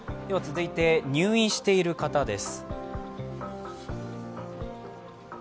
では、入院している方です。